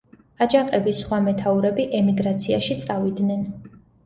აჯანყების სხვა მეთაურები ემიგრაციაში წავიდნენ.